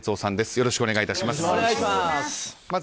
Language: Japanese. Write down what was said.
よろしくお願いします。